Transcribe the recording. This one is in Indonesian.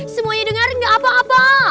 semuanya dengar gak apa apa